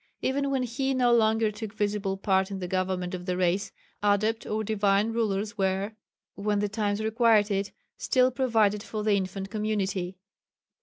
Even when he no longer took visible part in the government of the race, Adept or Divine rulers were, when the times required it, still provided for the infant community.